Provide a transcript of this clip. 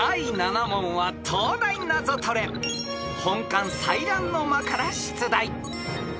［本館彩鸞の間から出題］